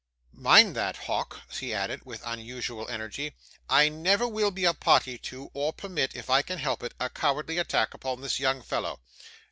'Mind that, Hawk!' he added, with unusual energy. 'I never will be a party to, or permit, if I can help it, a cowardly attack upon this young fellow.